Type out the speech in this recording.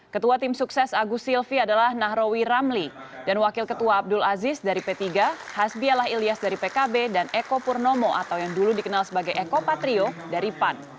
ketua tim sukses agus silvi adalah nahrawi ramli dan wakil ketua abdul aziz dari p tiga hasbialah ilyas dari pkb dan eko purnomo atau yang dulu dikenal sebagai eko patrio dari pan